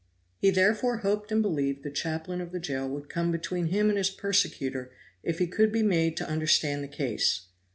He therefore hoped and believed the chaplain of the jail would come between him and his persecutor if he could be made to understand the case.